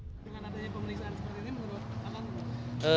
dengan adanya pengelisahan seperti ini menurut anda apa